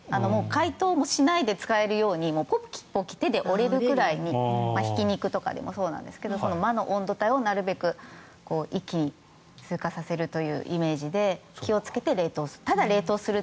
解凍もしないで使えるようにポキポキ手で折れるくらいにひき肉とかでもそうなんですが魔の温度帯をなるべく一気に通過させるというイメージで気をつけて冷凍する。